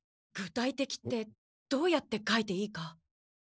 具体的ってどうやって書いていいか。